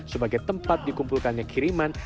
sebagai tempat dikumpulkannya kiriman